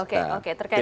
oke terkait dengan ini